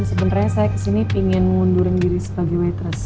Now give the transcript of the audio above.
sebenarnya saya ke sini pingin mengundur diri sebagai waitress